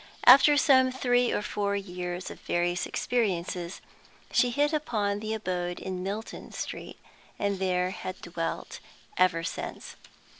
After some three or four years of various experiences, she hit upon the abode in Milton Street, and there had dwelt ever since.